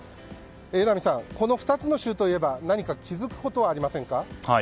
榎並さん、この２つの州といえば何か気づくことはありませんか？